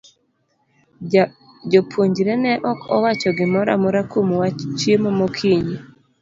Jopuonjre ne ok owacho gimoro amora kuom wach chiemo mokinyi.